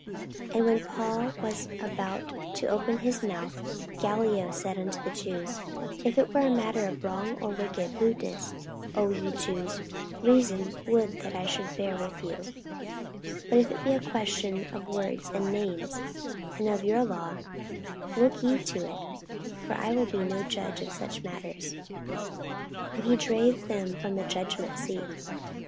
44:018:014 And when Paul was now about to open his mouth, Gallio said unto the Jews, If it were a matter of wrong or wicked lewdness, O ye Jews, reason would that I should bear with you: 44:018:015 But if it be a question of words and names, and of your law, look ye to it; for I will be no judge of such matters. 44:018:016 And he drave them from the judgment seat.